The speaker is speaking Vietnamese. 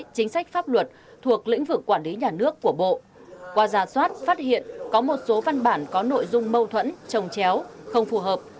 chính sách pháp luật thuộc lĩnh vực quản lý nhà nước của bộ qua giả soát phát hiện có một số văn bản có nội dung mâu thuẫn trồng chéo không phù hợp